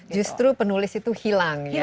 justru penulis itu hilang